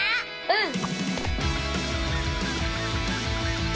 うん！